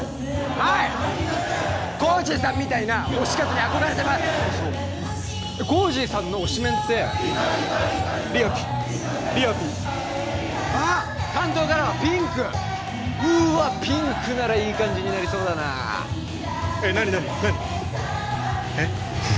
はいコージィさんみたいな推し活に憧れてますそうコージィさんの推しメンってりあぴりあぴあっ担当カラーはピンクうわっピンクならいい感じになりそうだなえっ何何何えっ？